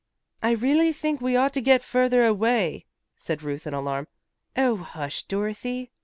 "I really think we ought to get further away," said Ruth in alarm. "Oh, hush, Dorothy!"